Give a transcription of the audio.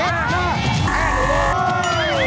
หลักสวย